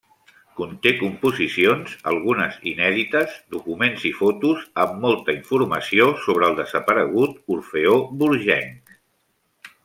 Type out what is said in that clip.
Conté composicions, algunes inèdites, documents i fotos amb molta informació sobre el desaparegut Orfeó Borgenc.